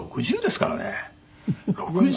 ６０ですからね。